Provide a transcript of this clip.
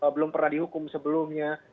belum pernah dihukum sebelumnya